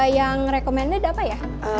yang recommended apa ya